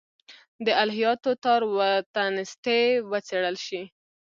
د الهیاتو تار و تنستې وڅېړل شي.